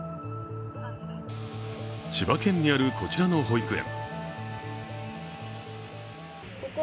千葉県にあるこちらの保育園。